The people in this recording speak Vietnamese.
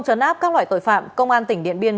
chấn áp các loại tội phạm công an tỉnh điện biên